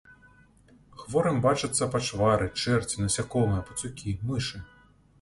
Хворым бачацца пачвары, чэрці, насякомыя, пацукі, мышы.